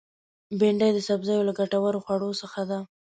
بېنډۍ د سبزیو له ګټورو خوړو څخه ده